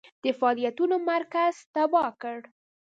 د فعالیتونو مرکز تباه کړ.